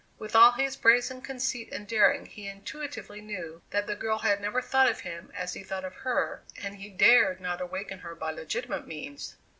With all his brazen conceit and daring he intuitively knew that the girl had never thought of him as he thought of her, and he dared not awaken her by legitimate means.